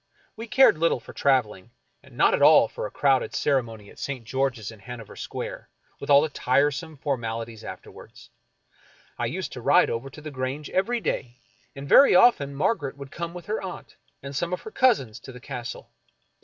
We cared little for traveling, and not at all for a crowded ceremony at St. George's in Hanover Square, with all the tiresome formalities afterwards. I used to ride over to the Grange every day, and very often Margaret would come with her aunt and some of her cousins to the Castle.